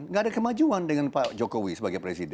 nggak ada kemajuan dengan pak jokowi sebagai presiden